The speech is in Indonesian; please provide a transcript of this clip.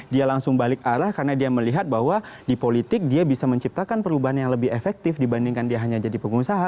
dia langsung balik arah karena dia melihat bahwa di politik dia bisa menciptakan perubahan yang lebih efektif dibandingkan dia hanya jadi pengusaha